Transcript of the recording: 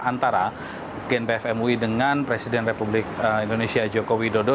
antara gnpf mui dengan presiden republik indonesia joko widodo